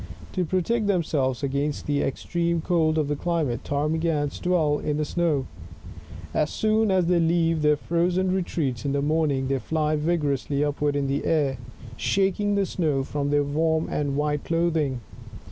To protect themselves against the entreme cold of the climate, Ptarmigans dwell in the snow. As soon as they leave their frozen retreats in the morn ing, they fly vigorously upward into the air, shaking the snow from their warm and white clothing.